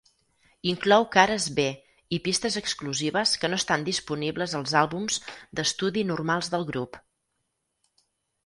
Inclou cares B i pistes exclusives que no estan disponibles als àlbums d'estudi normals del grup.